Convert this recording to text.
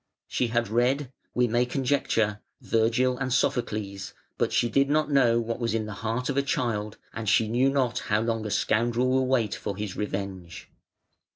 She had read (we may conjecture) Virgil and Sophocles, but she did not know what was in the heart of a child, and she knew not how long a scoundrel will wait for his revenge.